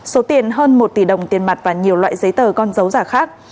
số tiền hơn một tỷ đồng tiền mặt và nhiều loại giấy tờ con dấu giả khác